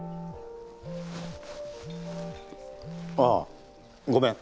ああごめん。